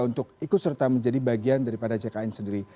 untuk ikut serta menjadi bagian daripada jkn sendiri